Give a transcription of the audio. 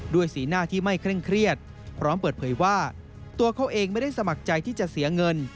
สีหน้าที่ไม่เคร่งเครียดพร้อมเปิดเผยว่าตัวเขาเองไม่ได้สมัครใจที่จะเสียเงิน